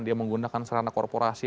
dia menggunakan sarana korporasi